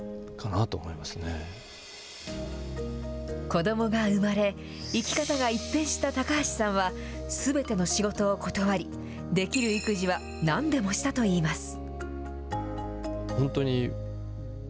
子どもが産まれ、生き方が一変した高橋さんは、すべての仕事を断り、できる育児はなんでもしたといいます。